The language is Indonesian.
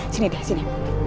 sini deh sini